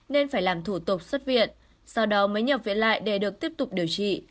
nên phải làm thủ tục xuất viện sau đó mới nhập viện lại để được tiếp tục điều trị